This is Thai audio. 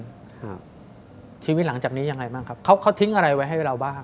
บ๊วยบ๊วยชีวิตหลังจากนี้ยังไงบ้างครับเขาทิ้งอะไรไว้ให้เราบ้าง